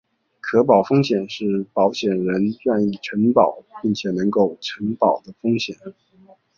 可保风险是保险人愿意承保并能够承保的风险。